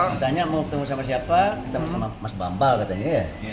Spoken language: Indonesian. ditanya mau ketemu sama siapa ketemu sama mas bambal katanya ya